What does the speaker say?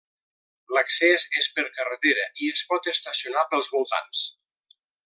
L'accés és per carretera i es pot estacionar pels voltants.